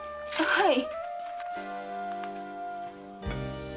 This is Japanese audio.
はい。